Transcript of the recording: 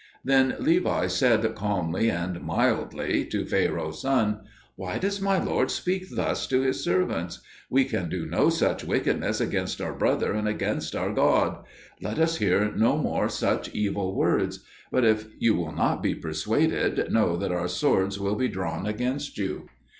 Then Levi said calmly and mildly to Pharaoh's son, "Why does my lord speak thus to his servants? We can do no such wickedness against our brother and against our God. Let us hear no more such evil words; but, if you will not be persuaded, know that our swords will be drawn against you."